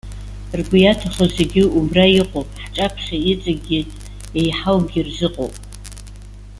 Ргәы иаҭаху зегьы убра иҟоуп. Ҳҿаԥхьа иҵегьы иеиҳаугьы рзыҟоуп.